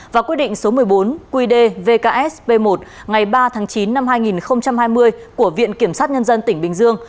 và quy định số một mươi bốn qd vksp một ngày ba tháng chín năm hai nghìn hai mươi của viện kiểm sát nhân dân tỉnh bình dương